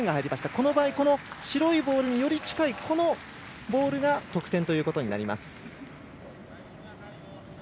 この場合、白いボールにより近いこのボールが得点ということになります。